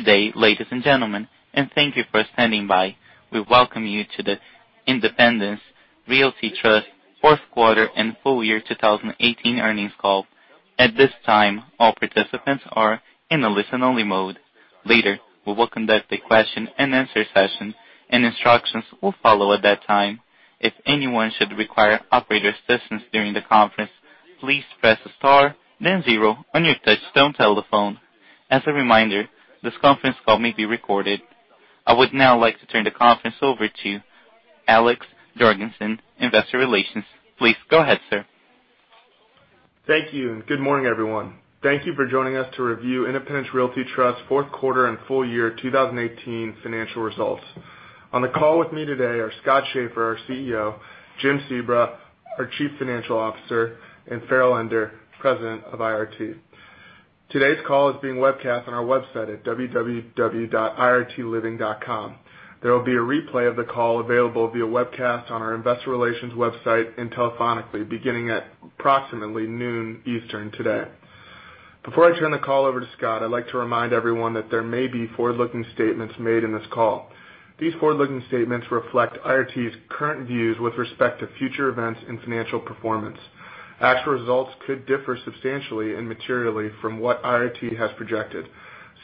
Good day, ladies and gentlemen. Thank you for standing by. We welcome you to the Independence Realty Trust fourth quarter and full year 2018 earnings call. At this time, all participants are in a listen-only mode. Later, we will conduct a question and answer session. Instructions will follow at that time. If anyone should require operator assistance during the conference, please press star then zero on your touchtone telephone. As a reminder, this conference call may be recorded. I would now like to turn the conference over to Alex Jorgensen, investor relations. Please go ahead, sir. Thank you. Good morning, everyone. Thank you for joining us to review Independence Realty Trust fourth quarter and full year 2018 financial results. On the call with me today are Scott Schaeffer, our CEO, Jim Sebra, our Chief Financial Officer, and Farrell Ender, President of IRT. Today's call is being webcast on our website at www.irtliving.com. There will be a replay of the call available via webcast on our investor relations website. Telephonically beginning at approximately noon Eastern today. Before I turn the call over to Scott, I'd like to remind everyone that there may be forward-looking statements made in this call. These forward-looking statements reflect IRT's current views with respect to future events and financial performance. Actual results could differ substantially and materially from what IRT has projected.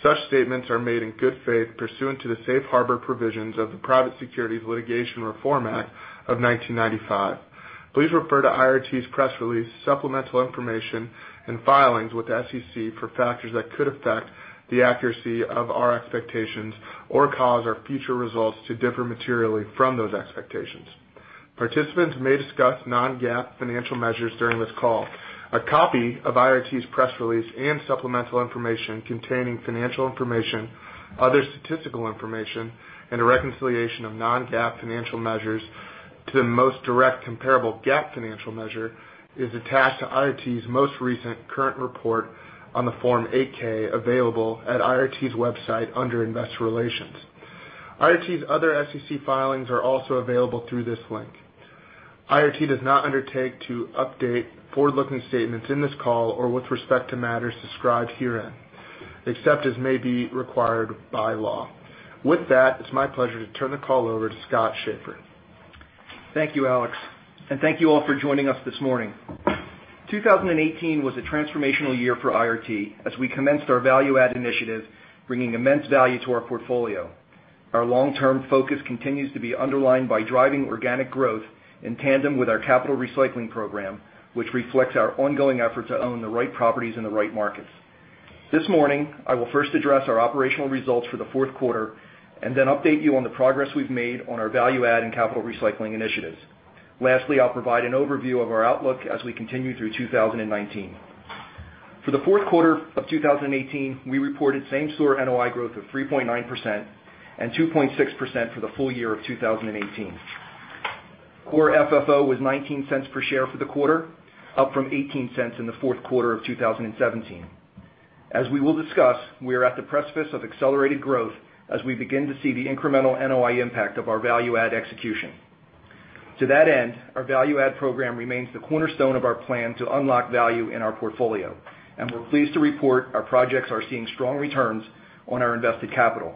Such statements are made in good faith pursuant to the safe harbor provisions of the Private Securities Litigation Reform Act of 1995. Please refer to IRT's press release, supplemental information. Filings with the SEC for factors that could affect the accuracy of our expectations or cause our future results to differ materially from those expectations. Participants may discuss non-GAAP financial measures during this call. A copy of IRT's press release and supplemental information containing financial information, other statistical information. A reconciliation of non-GAAP financial measures to the most direct comparable GAAP financial measure is attached to IRT's most recent current report on the form 8-K available at IRT's website under Investor Relations. IRT's other SEC filings are also available through this link. IRT does not undertake to update forward-looking statements in this call or with respect to matters described herein, except as may be required by law. With that, it's my pleasure to turn the call over to Scott Schaeffer. Thank you, Alex, and thank you all for joining us this morning. 2018 was a transformational year for IRT as we commenced our value add initiative, bringing immense value to our portfolio. Our long-term focus continues to be underlined by driving organic growth in tandem with our capital recycling program, which reflects our ongoing effort to own the right properties in the right markets. This morning, I will first address our operational results for the fourth quarter and then update you on the progress we've made on our value add and capital recycling initiatives. Lastly, I'll provide an overview of our outlook as we continue through 2019. For the fourth quarter of 2018, we reported same store NOI growth of 3.9% and 2.6% for the full year of 2018. Core FFO was $0.19 per share for the quarter, up from $0.18 in the fourth quarter of 2017. As we will discuss, we are at the precipice of accelerated growth as we begin to see the incremental NOI impact of our value add execution. To that end, our value add program remains the cornerstone of our plan to unlock value in our portfolio, and we're pleased to report our projects are seeing strong returns on our invested capital.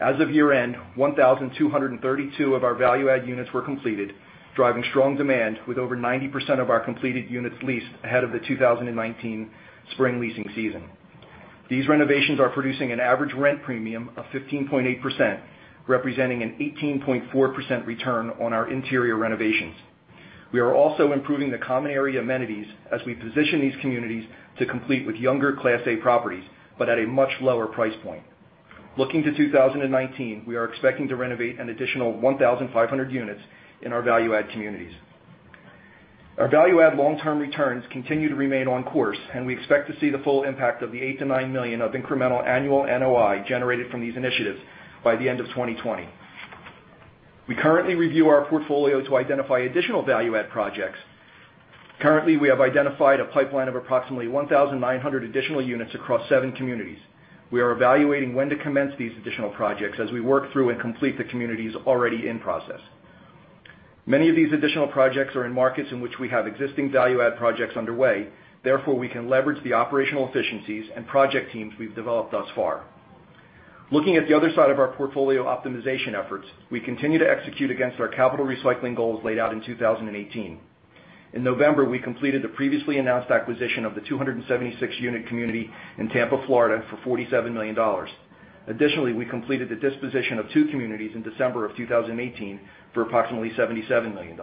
As of year-end, 1,232 of our value add units were completed, driving strong demand with over 90% of our completed units leased ahead of the 2019 spring leasing season. These renovations are producing an average rent premium of 15.8%, representing an 18.4% return on our interior renovations. We are also improving the common area amenities as we position these communities to compete with younger Class A properties, but at a much lower price point. Looking to 2019, we are expecting to renovate an additional 1,500 units in our value add communities. Our value add long-term returns continue to remain on course, and we expect to see the full impact of the $8 million-$9 million of incremental annual NOI generated from these initiatives by the end of 2020. We currently review our portfolio to identify additional value add projects. Currently, we have identified a pipeline of approximately 1,900 additional units across seven communities. We are evaluating when to commence these additional projects as we work through and complete the communities already in process. Many of these additional projects are in markets in which we have existing value add projects underway. Therefore, we can leverage the operational efficiencies and project teams we've developed thus far. Looking at the other side of our portfolio optimization efforts, we continue to execute against our capital recycling goals laid out in 2018. In November, we completed the previously announced acquisition of the 276-unit community in Tampa, Florida for $47 million. Additionally, we completed the disposition of two communities in December of 2018 for approximately $77 million.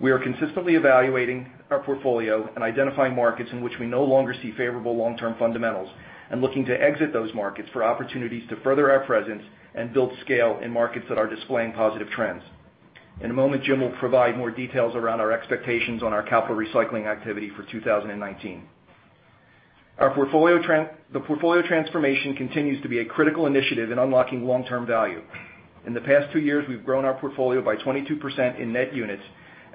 We are consistently evaluating our portfolio and identifying markets in which we no longer see favorable long-term fundamentals, and looking to exit those markets for opportunities to further our presence and build scale in markets that are displaying positive trends. In a moment, Jim will provide more details around our expectations on our capital recycling activity for 2019. The portfolio transformation continues to be a critical initiative in unlocking long-term value. In the past two years, we've grown our portfolio by 22% in net units,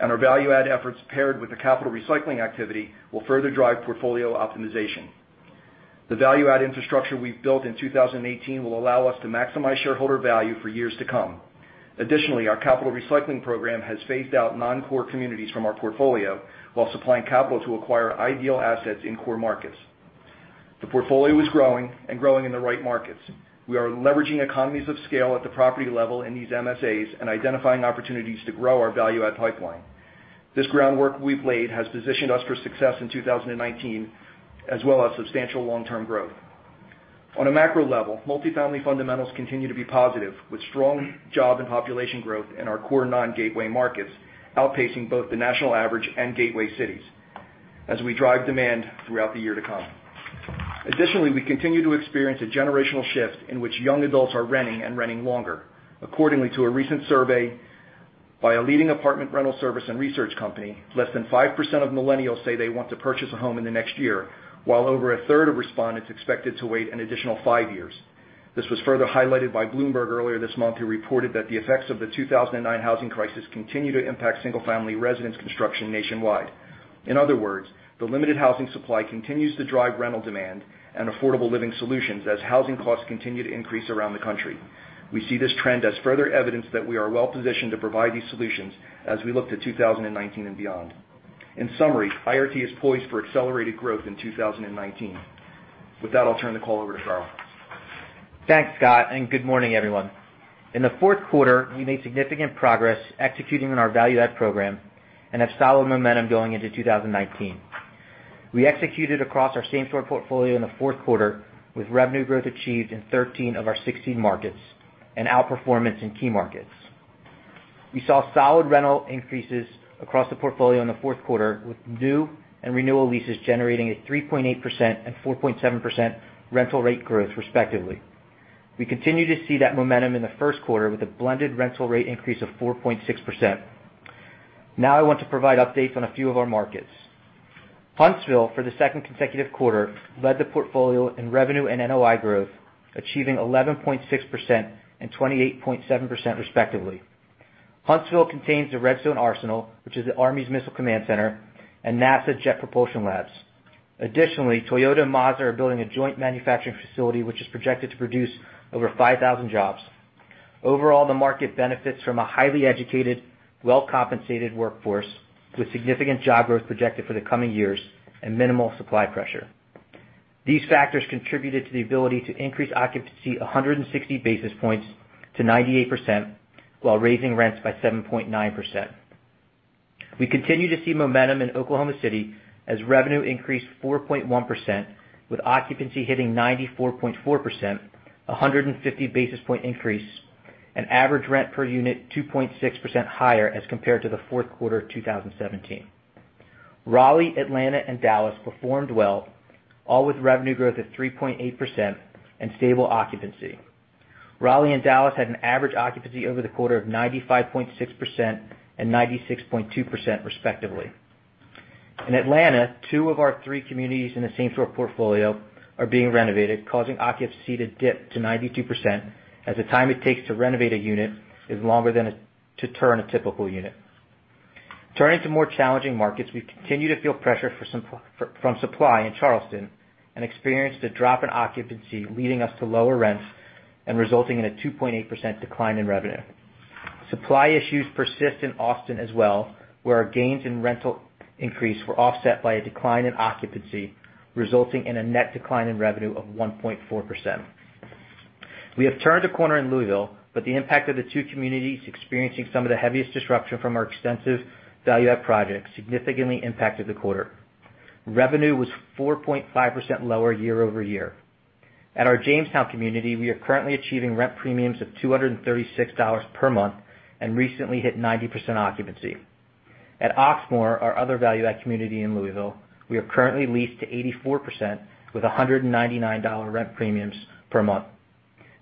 and our value add efforts paired with the capital recycling activity will further drive portfolio optimization. The value add infrastructure we've built in 2018 will allow us to maximize shareholder value for years to come. Additionally, our capital recycling program has phased out non-core communities from our portfolio while supplying capital to acquire ideal assets in core markets. The portfolio is growing and growing in the right markets. We are leveraging economies of scale at the property level in these MSAs and identifying opportunities to grow our value add pipeline. This groundwork we've laid has positioned us for success in 2019, as well as substantial long-term growth. On a macro level, multifamily fundamentals continue to be positive, with strong job and population growth in our core non-gateway markets, outpacing both the national average and gateway cities as we drive demand throughout the year to come. Additionally, we continue to experience a generational shift in which young adults are renting and renting longer. According to a recent survey by a leading apartment rental service and research company, less than 5% of millennials say they want to purchase a home in the next year, while over a third of respondents expected to wait an additional five years. This was further highlighted by Bloomberg earlier this month, who reported that the effects of the 2009 housing crisis continue to impact single-family residence construction nationwide. In other words, the limited housing supply continues to drive rental demand and affordable living solutions as housing costs continue to increase around the country. We see this trend as further evidence that we are well-positioned to provide these solutions as we look to 2019 and beyond. In summary, IRT is poised for accelerated growth in 2019. With that, I'll turn the call over to Farrell. Thanks, Scott, and good morning, everyone. In the fourth quarter, we made significant progress executing on our value add program and have solid momentum going into 2019. We executed across our same store portfolio in the fourth quarter, with revenue growth achieved in 13 of our 16 markets and outperformance in key markets. We saw solid rental increases across the portfolio in the fourth quarter, with new and renewal leases generating a 3.8% and 4.7% rental rate growth, respectively. We continue to see that momentum in the first quarter with a blended rental rate increase of 4.6%. Now, I want to provide updates on a few of our markets. Huntsville, for the second consecutive quarter, led the portfolio in revenue and NOI growth, achieving 11.6% and 28.7%, respectively. Huntsville contains the Redstone Arsenal, which is the Army's Missile Command Center and NASA Jet Propulsion Labs. Additionally, Toyota and Mazda are building a joint manufacturing facility, which is projected to produce over 5,000 jobs. Overall, the market benefits from a highly educated, well-compensated workforce with significant job growth projected for the coming years and minimal supply pressure. These factors contributed to the ability to increase occupancy 160 basis points to 98%, while raising rents by 7.9%. We continue to see momentum in Oklahoma City as revenue increased 4.1%, with occupancy hitting 94.4%, 150 basis point increase, and average rent per unit 2.6% higher as compared to the fourth quarter of 2017. Raleigh, Atlanta, and Dallas performed well, all with revenue growth of 3.8% and stable occupancy. Raleigh and Dallas had an average occupancy over the quarter of 95.6% and 96.2%, respectively. In Atlanta, two of our three communities in the same store portfolio are being renovated, causing occupancy to dip to 92%, as the time it takes to renovate a unit is longer than to turn a typical unit. Turning to more challenging markets, we continue to feel pressure from supply in Charleston and experienced a drop in occupancy, leading us to lower rents and resulting in a 2.8% decline in revenue. Supply issues persist in Austin as well, where our gains in rental increase were offset by a decline in occupancy, resulting in a net decline in revenue of 1.4%. We have turned a corner in Louisville, but the impact of the two communities experiencing some of the heaviest disruption from our extensive value add project significantly impacted the quarter. Revenue was 4.5% lower year over year. At our Jamestown community, we are currently achieving rent premiums of $236 per month and recently hit 90% occupancy. At Oxmoor, our other value add community in Louisville, we are currently leased to 84% with $199 rent premiums per month.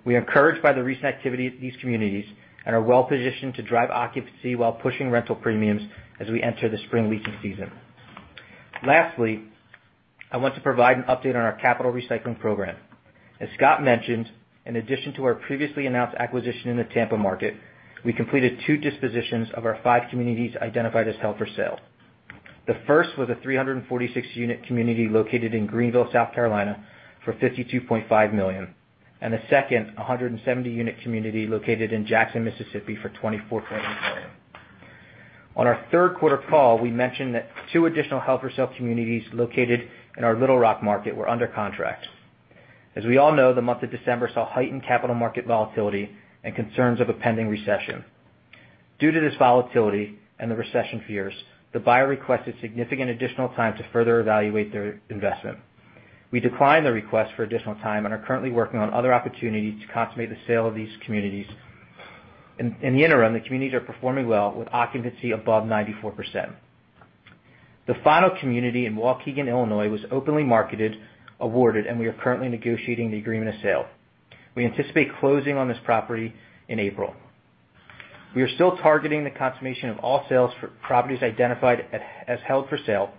We are encouraged by the recent activity at these communities and are well-positioned to drive occupancy while pushing rental premiums as we enter the spring leasing season. Lastly, I want to provide an update on our capital recycling program. As Scott mentioned, in addition to our previously announced acquisition in the Tampa market, we completed two dispositions of our five communities identified as held for sale. The first was a 346-unit community located in Greenville, South Carolina for $52.5 million, and the second, a 170-unit community located in Jackson, Mississippi for $24.8 million. On our third quarter call, we mentioned that two additional held for sale communities located in our Little Rock market were under contract. The month of December saw heightened capital market volatility and concerns of a pending recession. Due to this volatility and the recession fears, the buyer requested significant additional time to further evaluate their investment. We declined the request for additional time and are currently working on other opportunities to consummate the sale of these communities. In the interim, the communities are performing well with occupancy above 94%. The final community in Waukegan, Illinois, was openly marketed, awarded, and we are currently negotiating the agreement of sale. We anticipate closing on this property in April. We are still targeting the consummation of all sales for properties identified as held for sale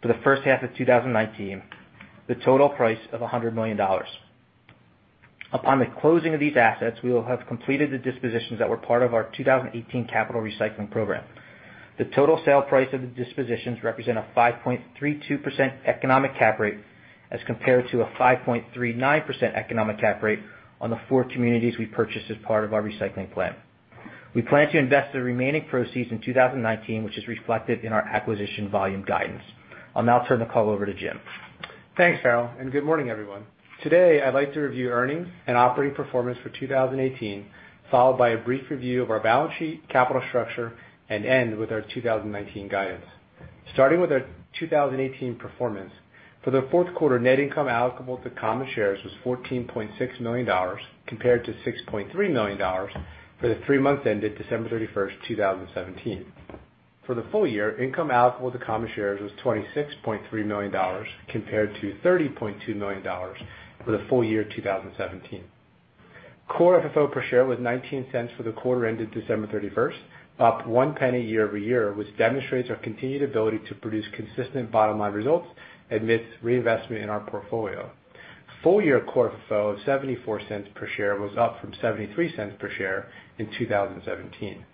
for the first half of 2019, the total price of $100 million. Upon the closing of these assets, we will have completed the dispositions that were part of our 2018 capital recycling program. The total sale price of the dispositions represent a 5.32% economic cap rate as compared to a 5.39% economic cap rate on the four communities we purchased as part of our recycling plan. We plan to invest the remaining proceeds in 2019, which is reflected in our acquisition volume guidance. I'll now turn the call over to Jim. Thanks, Farrell. Good morning, everyone. Today, I'd like to review earnings and operating performance for 2018, followed by a brief review of our balance sheet, capital structure, and end with our 2019 guidance. Starting with our 2018 performance, for the fourth quarter, net income allocable to common shares was $14.6 million, compared to $6.3 million for the three months ended December 31st, 2017. For the full year, income allocable to common shares was $26.3 million, compared to $30.2 million for the full year 2017. Core FFO per share was $0.19 for the quarter ended December 31st, up one penny year-over-year, which demonstrates our continued ability to produce consistent bottom-line results amidst reinvestment in our portfolio. Full year Core FFO of $0.74 per share was up from $0.73 per share in 2017.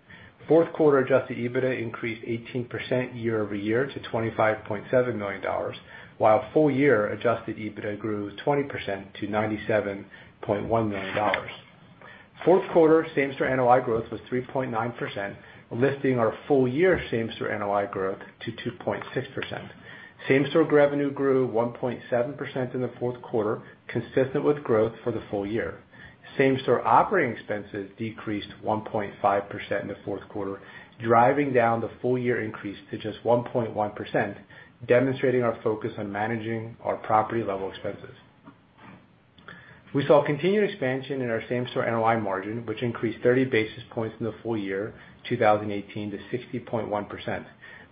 Fourth quarter adjusted EBITDA increased 18% year-over-year to $25.7 million, while full year adjusted EBITDA grew 20% to $97.1 million. Fourth quarter same-store NOI growth was 3.9%, lifting our full year same-store NOI growth to 2.6%. Same-store revenue grew 1.7% in the fourth quarter, consistent with growth for the full year. Same-store operating expenses decreased 1.5% in the fourth quarter, driving down the full-year increase to just 1.1%, demonstrating our focus on managing our property-level expenses. We saw continued expansion in our same-store NOI margin, which increased 30 basis points in the full year 2018 to 60.1%.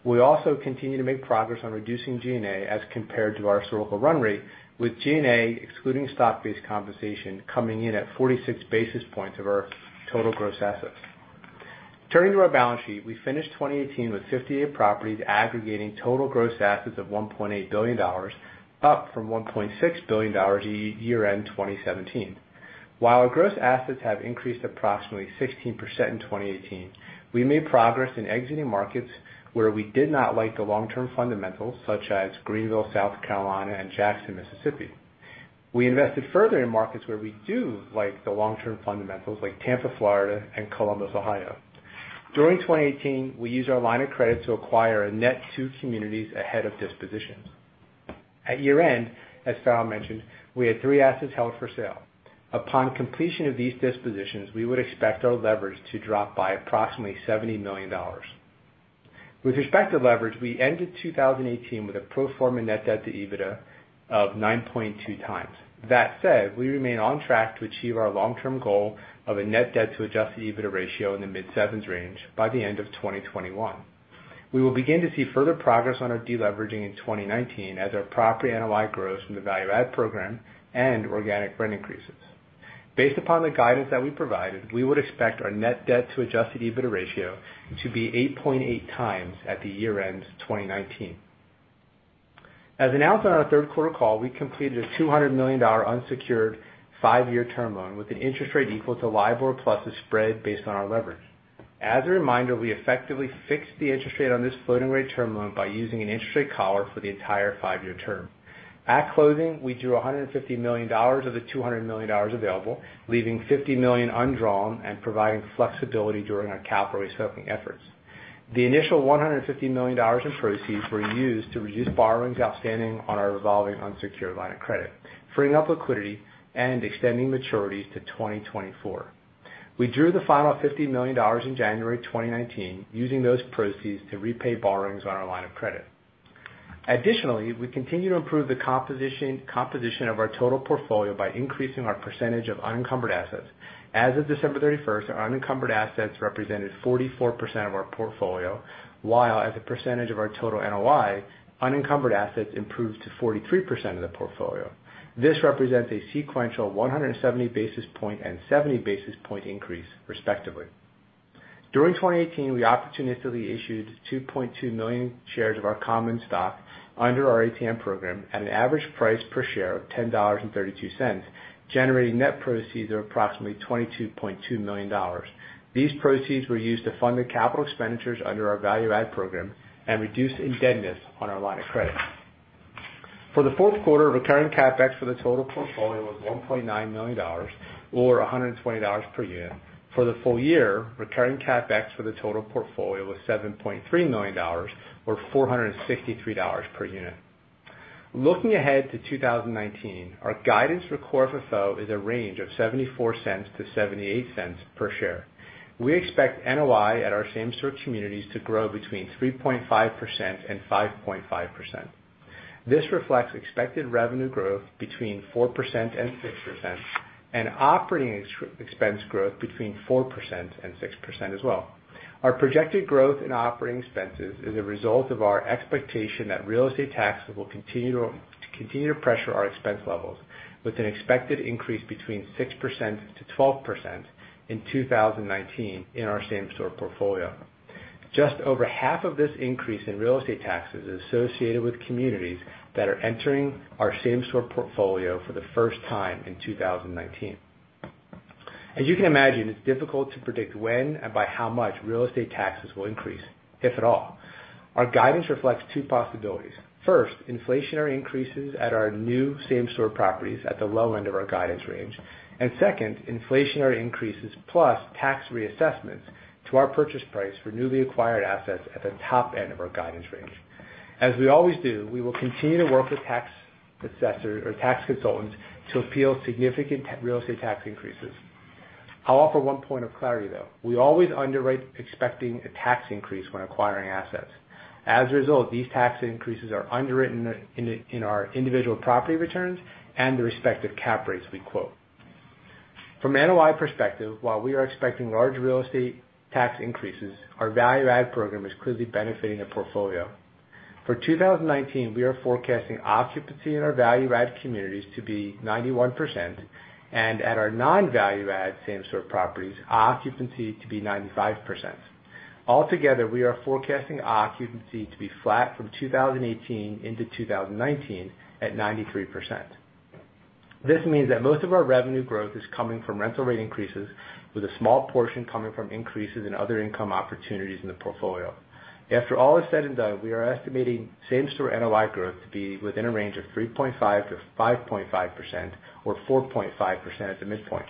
We also continue to make progress on reducing G&A as compared to our historical run rate, with G&A, excluding stock-based compensation, coming in at 46 basis points of our total gross assets. Turning to our balance sheet, we finished 2018 with 58 properties aggregating total gross assets of $1.8 billion, up from $1.6 billion year-end 2017. While our gross assets have increased approximately 16% in 2018, we made progress in exiting markets where we did not like the long-term fundamentals, such as Greenville, South Carolina and Jackson, Mississippi. We invested further in markets where we do like the long-term fundamentals, like Tampa, Florida and Columbus, Ohio. During 2018, we used our line of credit to acquire a net two communities ahead of dispositions. At year-end, as Farrell mentioned, we had three assets held for sale. Upon completion of these dispositions, we would expect our leverage to drop by approximately $70 million. With respect to leverage, we ended 2018 with a pro forma net debt to EBITDA of 9.2 times. That said, we remain on track to achieve our long-term goal of a net debt to adjusted EBITDA ratio in the mid-sevens range by the end of 2021. We will begin to see further progress on our de-leveraging in 2019 as our property NOI grows from the value add program and organic rent increases. Based upon the guidance that we provided, we would expect our net debt to adjusted EBITDA ratio to be 8.8 times at the year-end 2019. As announced on our third quarter call, we completed a $200 million unsecured five-year term loan with an interest rate equal to LIBOR plus a spread based on our leverage. As a reminder, we effectively fixed the interest rate on this floating rate term loan by using an interest rate collar for the entire five-year term. At closing, we drew $150 million of the $200 million available, leaving $50 million undrawn and providing flexibility during our capital recycling efforts. The initial $150 million in proceeds were used to reduce borrowings outstanding on our revolving unsecured line of credit, freeing up liquidity and extending maturities to 2024. We drew the final $50 million in January 2019, using those proceeds to repay borrowings on our line of credit. We continue to improve the composition of our total portfolio by increasing our percentage of unencumbered assets. As of December 31st, our unencumbered assets represented 44% of our portfolio, while as a percentage of our total NOI, unencumbered assets improved to 43% of the portfolio. This represents a sequential 170 basis point and 70 basis point increase, respectively. During 2018, we opportunistically issued 2.2 million shares of our common stock under our ATM program at an average price per share of $10.32, generating net proceeds of approximately $22.2 million. These proceeds were used to fund the capital expenditures under our value add program and reduce indebtedness on our line of credit. For the fourth quarter, recurring CapEx for the total portfolio was $1.9 million, or $120 per unit. For the full year, recurring CapEx for the total portfolio was $7.3 million, or $463 per unit. Looking ahead to 2019, our guidance for Core FFO is a range of $0.74 to $0.78 per share. We expect NOI at our same-store communities to grow between 3.5% and 5.5%. This reflects expected revenue growth between 4% and 6%, and operating expense growth between 4% and 6% as well. Our projected growth in operating expenses is a result of our expectation that real estate taxes will continue to pressure our expense levels with an expected increase between 6%-12% in 2019 in our same-store portfolio. Just over half of this increase in real estate taxes is associated with communities that are entering our same-store portfolio for the first time in 2019. As you can imagine, it's difficult to predict when and by how much real estate taxes will increase, if at all. Our guidance reflects two possibilities. First, inflationary increases at our new same-store properties at the low end of our guidance range, and second, inflationary increases plus tax reassessments to our purchase price for newly acquired assets at the top end of our guidance range. As we always do, we will continue to work with tax consultants to appeal significant real estate tax increases. I'll offer one point of clarity, though. We always underwrite expecting a tax increase when acquiring assets. As a result, these tax increases are underwritten in our individual property returns and the respective cap rates we quote. From an NOI perspective, while we are expecting large real estate tax increases, our value add program is clearly benefiting the portfolio. For 2019, we are forecasting occupancy in our value add communities to be 91%, and at our non-value add same-store properties, occupancy to be 95%. Altogether, we are forecasting occupancy to be flat from 2018 into 2019 at 93%. This means that most of our revenue growth is coming from rental rate increases, with a small portion coming from increases in other income opportunities in the portfolio. After all is said and done, we are estimating same-store NOI growth to be within a range of 3.5%-5.5%, or 4.5% at the midpoint.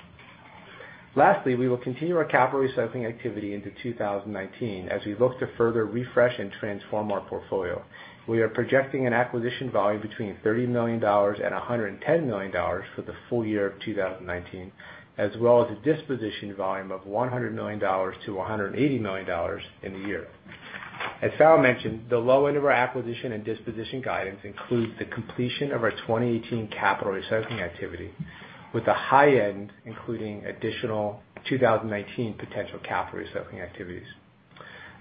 Lastly, we will continue our capital recycling activity into 2019 as we look to further refresh and transform our portfolio. We are projecting an acquisition volume between $30 million and $110 million for the full year of 2019, as well as a disposition volume of $100 million-$180 million in the year. As Farrell mentioned, the low end of our acquisition and disposition guidance includes the completion of our 2018 capital recycling activity, with the high end including additional 2019 potential capital recycling activities.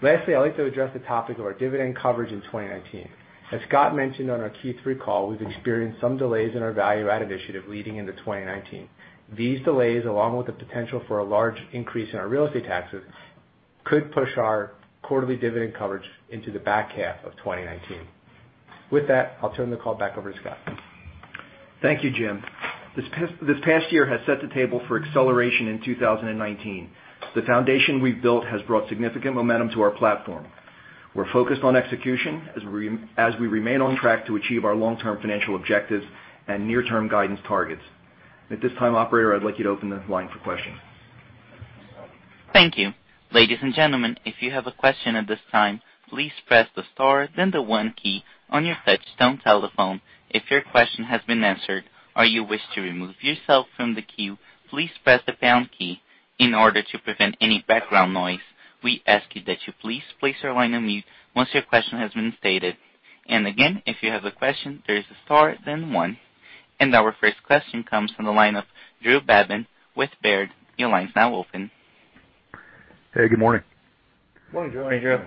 Lastly, I'd like to address the topic of our dividend coverage in 2019. As Scott mentioned on our Q3 call, we've experienced some delays in our value add initiative leading into 2019. These delays, along with the potential for a large increase in our real estate taxes, could push our quarterly dividend coverage into the back half of 2019. With that, I'll turn the call back over to Scott. Thank you, Jim. This past year has set the table for acceleration in 2019. The foundation we've built has brought significant momentum to our platform. We're focused on execution as we remain on track to achieve our long-term financial objectives and near-term guidance targets. At this time, operator, I'd like you to open the line for questions. Thank you. Ladies and gentlemen, if you have a question at this time, please press the star then the one key on your touch-tone telephone. If your question has been answered or you wish to remove yourself from the queue, please press the pound key. In order to prevent any background noise, we ask you that you please place your line on mute once your question has been stated. Again, if you have a question, press star then one. Our first question comes from the line of Drew Babin with Baird. Your line's now open. Hey, good morning. Morning, Drew. Morning, Drew.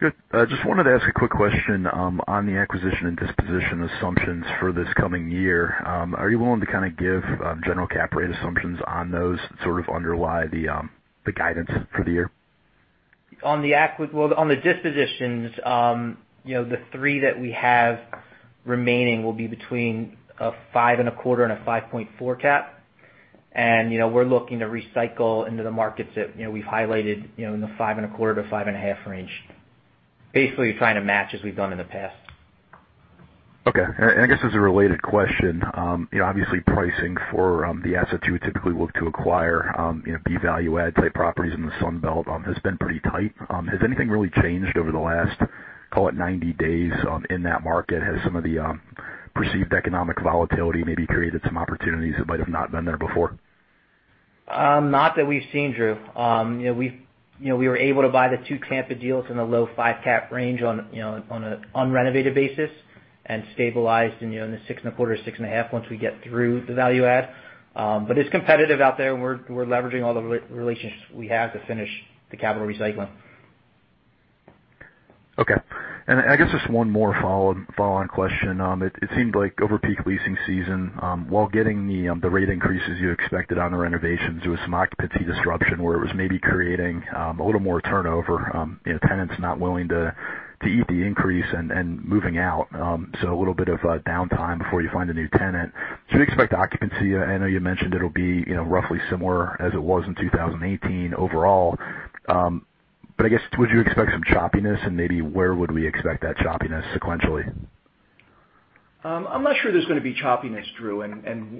Good. Just wanted to ask a quick question on the acquisition and disposition assumptions for this coming year. Are you willing to kind of give general cap rate assumptions on those that sort of underlie the guidance for the year? On the dispositions, the three that we have remaining will be between a five and a quarter and a 5.4 cap. We're looking to recycle into the markets that we've highlighted in the five and a quarter to five and a half range. Basically trying to match as we've done in the past. Okay. I guess as a related question, obviously pricing for the assets you would typically look to acquire, be value add type properties in the Sun Belt, has been pretty tight. Has anything really changed over the last, call it 90 days, in that market? Has some of the perceived economic volatility maybe created some opportunities that might have not been there before? Not that we've seen, Drew. We were able to buy the two Tampa deals in the low five cap range on an unrenovated basis, and stabilized in the six and a quarter, six and a half once we get through the value add. It's competitive out there, we're leveraging all the relationships we have to finish the capital recycling. Okay. I guess just one more follow-on question. It seemed like over peak leasing season, while getting the rate increases you expected on the renovations, there was some occupancy disruption where it was maybe creating a little more turnover, tenants not willing to eat the increase and moving out. A little bit of a downtime before you find a new tenant. Do you expect occupancy, I know you mentioned it'll be roughly similar as it was in 2018 overall, but I guess would you expect some choppiness and maybe where would we expect that choppiness sequentially? I'm not sure there's going to be choppiness, Drew.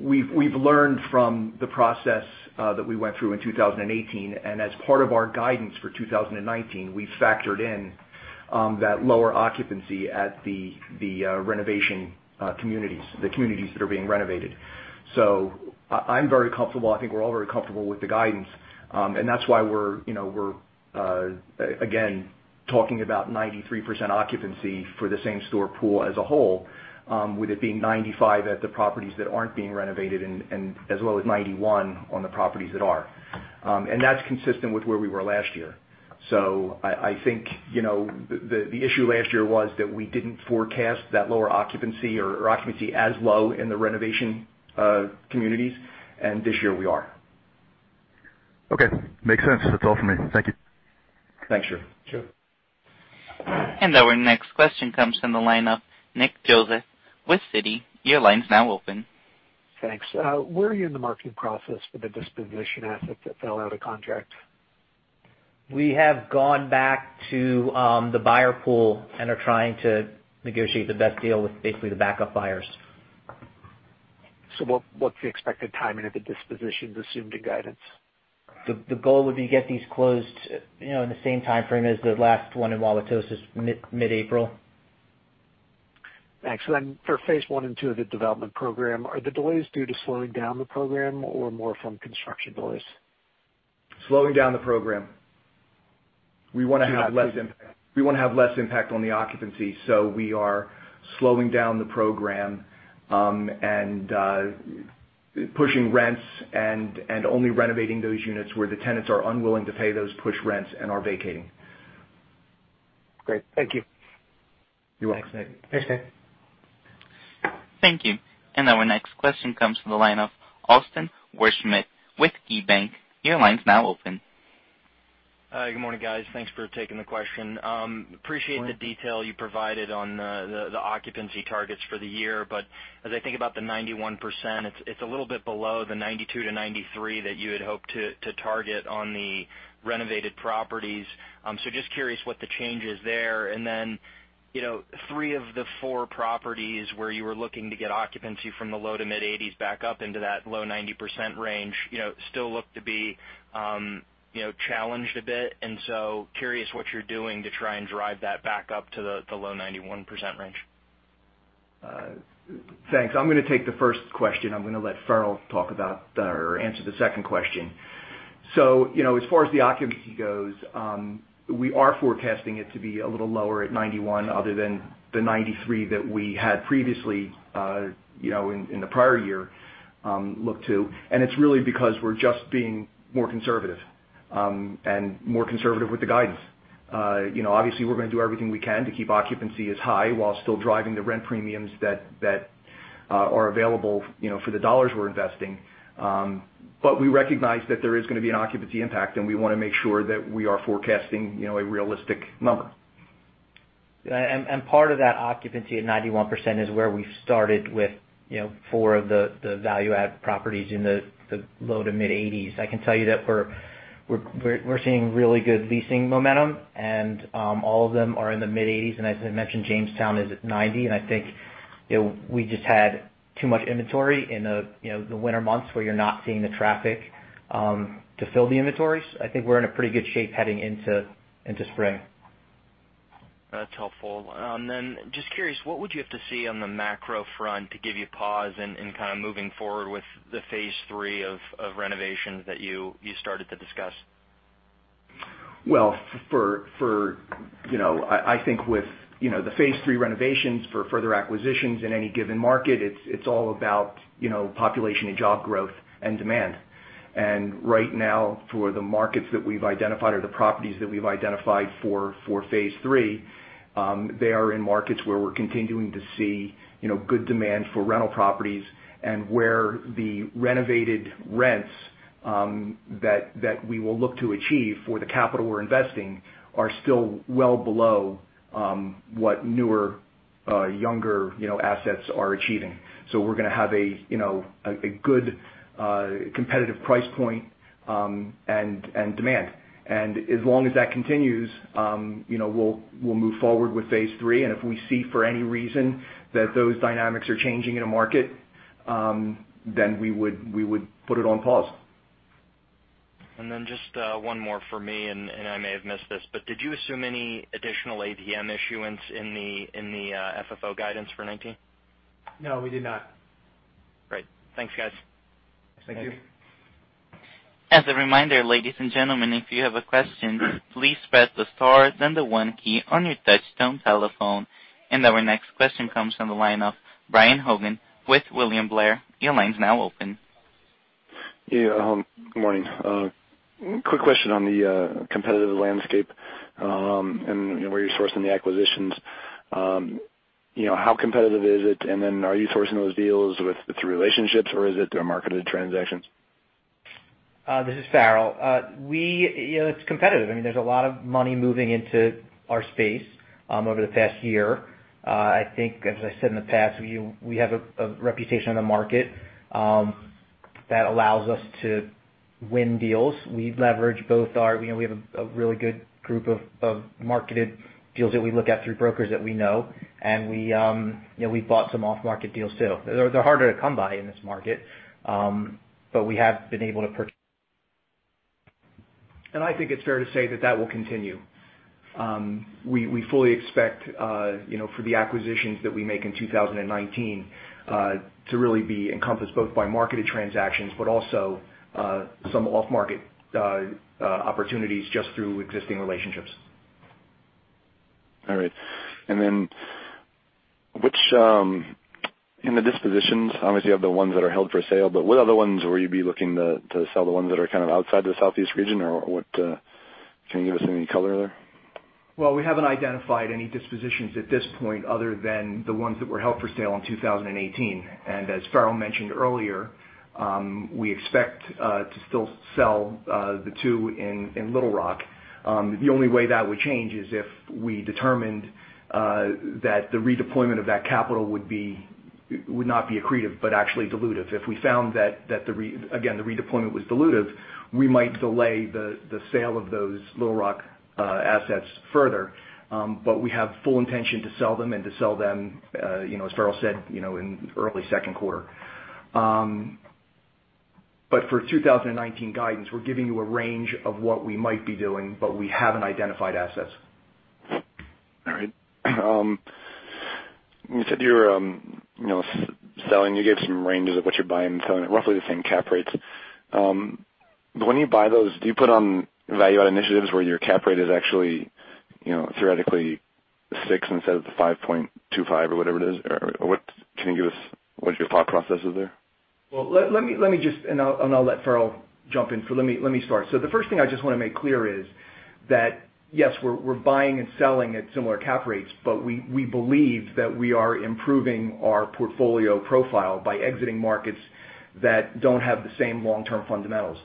We've learned from the process that we went through in 2018. As part of our guidance for 2019, we factored in that lower occupancy at the renovation communities, the communities that are being renovated. I'm very comfortable, I think we're all very comfortable with the guidance. That's why we're again, talking about 93% occupancy for the same-store pool as a whole, with it being 95 at the properties that aren't being renovated and as well as 91 on the properties that are. That's consistent with where we were last year. I think the issue last year was that we didn't forecast that lower occupancy or occupancy as low in the renovation communities, and this year we are. Okay. Makes sense. That's all from me. Thank you. Thanks, Drew. Sure. Our next question comes from the line of Nicholas Joseph with Citi. Your line's now open. Thanks. Where are you in the marketing process for the disposition asset that fell out of contract? We have gone back to the buyer pool and are trying to negotiate the best deal with basically the backup buyers. What's the expected timing of the dispositions assumed in guidance? The goal would be get these closed in the same timeframe as the last one in Wauwatosa, mid-April. Thanks. For phase one and two of the development program, are the delays due to slowing down the program or more from construction delays? Slowing down the program. We want to have less impact on the occupancy, we are slowing down the program, pushing rents and only renovating those units where the tenants are unwilling to pay those pushed rents and are vacating. Great. Thank you. You're welcome. Thanks, Nick. Thanks, Nick. Thank you. Our next question comes from the line of Austin Wurschmidt with KeyBank. Your line's now open. Hi, good morning, guys. Thanks for taking the question. Good morning. Appreciate the detail you provided on the occupancy targets for the year. As I think about the 91%, it's a little bit below the 92%-93% that you had hoped to target on the renovated properties. Just curious what the change is there. Three of the four properties where you were looking to get occupancy from the low to mid-80s back up into that low 90% range still look to be challenged a bit, curious what you're doing to try and drive that back up to the low 91% range. Thanks. I'm going to take the first question. I'm going to let Farrell talk about or answer the second question. As far as the occupancy goes, we are forecasting it to be a little lower at 91% other than the 93% that we had previously in the prior year looked to, it's really because we're just being more conservative, more conservative with the guidance. Obviously, we're going to do everything we can to keep occupancy as high while still driving the rent premiums that are available for the dollars we're investing. We recognize that there is going to be an occupancy impact, we want to make sure that we are forecasting a realistic number. Part of that occupancy at 91% is where we started with four of the value-add properties in the low to mid-80s. I can tell you that we're seeing really good leasing momentum, and all of them are in the mid-80s. As I mentioned, Jamestown is at 90%. I think we just had too much inventory in the winter months where you're not seeing the traffic to fill the inventories. I think we're in a pretty good shape heading into spring. That's helpful. Then just curious, what would you have to see on the macro front to give you pause in kind of moving forward with the phase 3 of renovations that you started to discuss? I think with the phase 3 renovations for further acquisitions in any given market, it's all about population and job growth and demand. Right now, for the markets that we've identified or the properties that we've identified for phase 3, they are in markets where we're continuing to see good demand for rental properties, and where the renovated rents that we will look to achieve for the capital we're investing are still well below what newer, younger assets are achieving. We're going to have a good competitive price point and demand. As long as that continues, we'll move forward with phase 3, and if we see for any reason that those dynamics are changing in a market, then we would put it on pause. Then just one more for me, and I may have missed this, but did you assume any additional ATM issuance in the FFO guidance for 2019? No, we did not. Great. Thanks, guys. Thank you. Thank you. As a reminder, ladies and gentlemen, if you have a question, please press the star then the one key on your touchtone telephone. Our next question comes from the line of Brian Hogan with William Blair. Your line's now open. Yeah. Good morning. Quick question on the competitive landscape, and where you're sourcing the acquisitions. How competitive is it, are you sourcing those deals through relationships, or is it through a marketed transaction? This is Farrell. It's competitive. There's a lot of money moving into our space over the past year. I think as I said in the past, we have a reputation in the market that allows us to win deals. We leverage we have a really good group of marketed deals that we look at through brokers that we know. We've bought some off-market deals, too. They're harder to come by in this market, but we have been able to purchase. I think it's fair to say that that will continue. We fully expect for the acquisitions that we make in 2019 to really be encompassed both by marketed transactions, but also some off-market opportunities just through existing relationships. All right. In the dispositions, obviously, you have the ones that are held for sale, but what other ones will you be looking to sell? The ones that are kind of outside the Southeast region? Can you give us any color there? Well, we haven't identified any dispositions at this point other than the ones that were held for sale in 2018. As Farrell mentioned earlier, we expect to still sell the two in Little Rock. The only way that would change is if we determined that the redeployment of that capital would not be accretive, but actually dilutive. If we found that, again, the redeployment was dilutive, we might delay the sale of those Little Rock assets further. We have full intention to sell them and to sell them, as Farrell said, in early second quarter. For 2019 guidance, we're giving you a range of what we might be doing, but we haven't identified assets. All right. You said you're selling, you gave some ranges of what you're buying and selling at roughly the same cap rates. When you buy those, do you put on value-add initiatives where your cap rate is actually, theoretically six instead of the 5.25 or whatever it is? Can you give us what your thought process is there? Well, let me just, and I'll let Farrell jump in, but let me start. The first thing I just want to make clear is that, yes, we're buying and selling at similar cap rates, but we believe that we are improving our portfolio profile by exiting markets that don't have the same long-term fundamentals.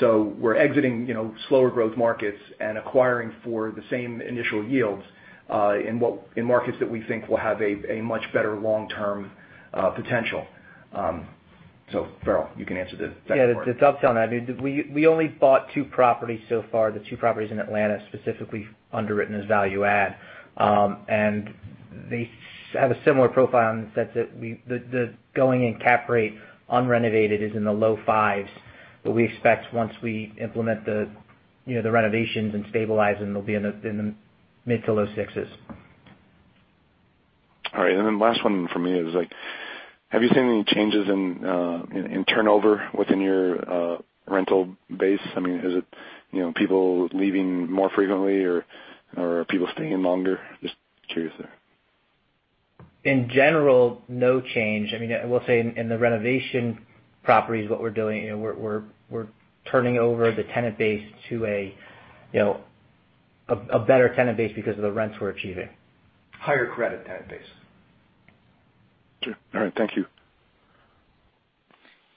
We're exiting slower growth markets and acquiring for the same initial yields, in markets that we think will have a much better long-term potential. Farrell, you can answer the second part. Yeah. To upsell that, we only bought two properties so far, the two properties in Atlanta specifically underwritten as value add. They have a similar profile in the sense that the going in cap rate unrenovated is in the low fives. We expect once we implement the renovations and stabilize them, they'll be in the mid to low sixes. All right, last one from me is, have you seen any changes in turnover within your rental base? I mean, is it people leaving more frequently or are people staying longer? Just curious there. In general, no change. I mean, I will say in the renovation properties, we're turning over the tenant base to a better tenant base because of the rents we're achieving. Higher credit tenant base. Sure. All right. Thank you.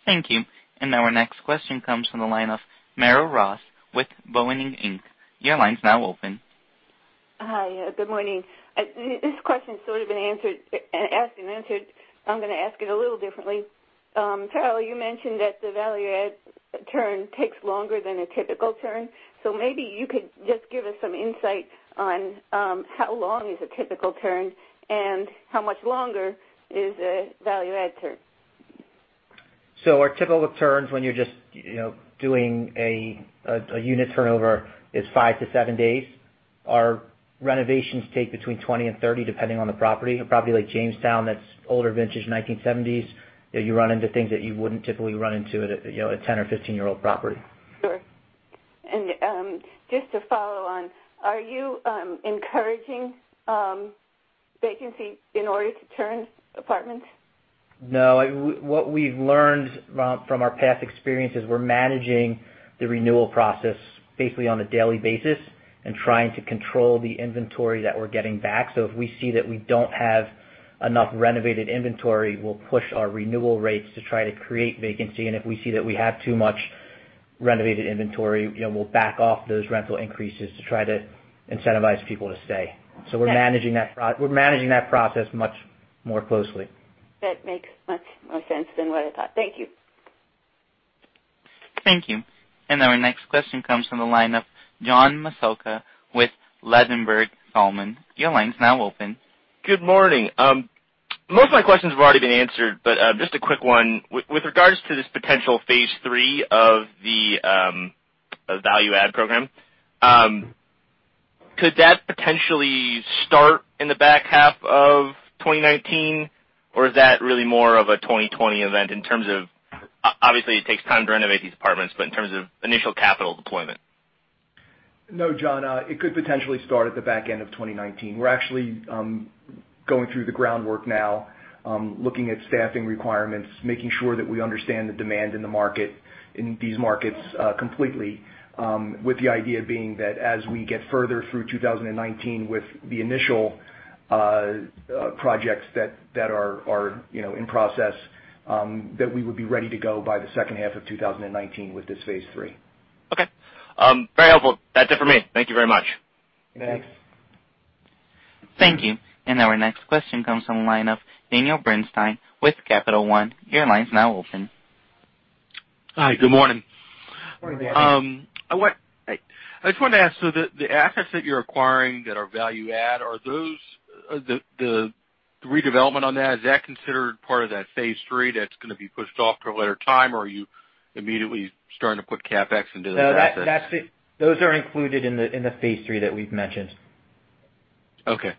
Thank you. Now our next question comes from the line of Merrill Ross with Boenning Inc. Your line's now open. Hi. Good morning. This question's sort of been asked and answered. I'm gonna ask it a little differently. Farrell, you mentioned that the value add turn takes longer than a typical turn, maybe you could just give us some insight on how long is a typical turn and how much longer is a value add turn. Our typical turns when you're just doing a unit turnover is five to seven days. Our renovations take between 20 and 30, depending on the property. A property like Jamestown, that's older vintage, 1970s, you run into things that you wouldn't typically run into at a 10 or 15-year-old property. Sure. Just to follow on, are you encouraging vacancy in order to turn apartments? No. What we've learned from our past experience is we're managing the renewal process basically on a daily basis and trying to control the inventory that we're getting back. If we see that we don't have enough renovated inventory, we'll push our renewal rates to try to create vacancy. If we see that we have too much renovated inventory, we'll back off those rental increases to try to incentivize people to stay. We're managing that process much more closely. That makes much more sense than what I thought. Thank you. Thank you. Our next question comes from the line of John Massocca with Ladenburg Thalmann. Your line's now open. Good morning. Most of my questions have already been answered, but just a quick one. With regards to this potential phase three of the value add program, could that potentially start in the back half of 2019, or is that really more of a 2020 event in terms of Obviously it takes time to renovate these apartments, but in terms of initial capital deployment. No, John, it could potentially start at the back end of 2019. We're actually going through the groundwork now, looking at staffing requirements, making sure that we understand the demand in the market, in these markets, completely, with the idea being that as we get further through 2019 with the initial projects that are in process, that we would be ready to go by the second half of 2019 with this phase three. Okay. Very helpful. That's it for me. Thank you very much. Thanks. Thank you. Our next question comes from the line of Daniel Bernstein with Capital One. Your line's now open. Hi. Good morning. Morning, Daniel. I just wanted to ask, the assets that you're acquiring that are value add, the redevelopment on that, is that considered part of that phase 3 that's going to be pushed off to a later time, or are you immediately starting to put CapEx into those assets? No. Those are included in the phase 3 that we've mentioned. Okay.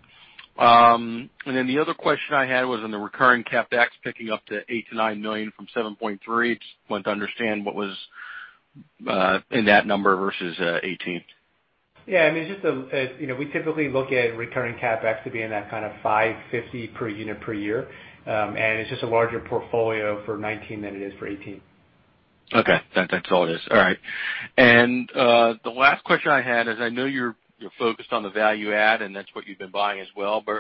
The other question I had was on the recurring CapEx picking up to $8 million-$9 million from $7.3 million. Just wanted to understand what was in that number versus 2018. Yeah. I mean, we typically look at recurring CapEx to be in that kind of $550 per unit per year. It's just a larger portfolio for 2019 than it is for 2018. Okay. That's all it is. All right. The last question I had is I know you're focused on the value add, and that's what you've been buying as well, but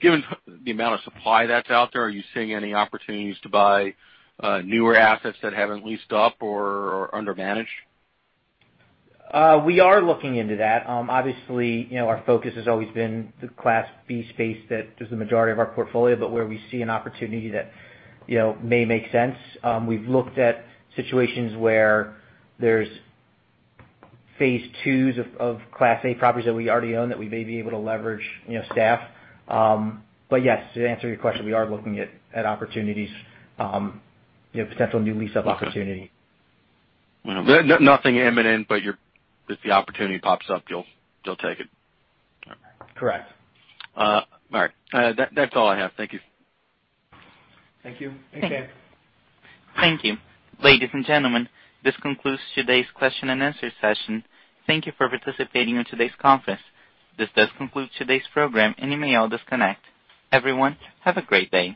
given the amount of supply that's out there, are you seeing any opportunities to buy newer assets that haven't leased up or are under-managed? We are looking into that. Obviously, our focus has always been the Class B space that is the majority of our portfolio, but where we see an opportunity that may make sense. We've looked at situations where there's phase 2s of Class A properties that we already own that we may be able to leverage staff. Yes, to answer your question, we are looking at opportunities, potential new lease-up opportunity. Okay. Nothing imminent, if the opportunity pops up, you'll take it. Correct. All right. That's all I have. Thank you. Thank you. Take care. Thank you. Ladies and gentlemen, this concludes today's question and answer session. Thank you for participating in today's conference. This does conclude today's program, you may all disconnect. Everyone, have a great day.